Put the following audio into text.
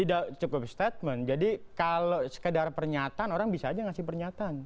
tidak cukup statement jadi kalau sekedar pernyataan orang bisa aja ngasih pernyataan